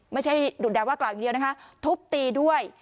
ไม่ใช่ดุดดาวว่ากล่าวอย่างเดียวนะคะทุบตีด้วย